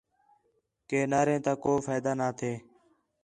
کہ نعریں تا کو فائدہ نہ تھے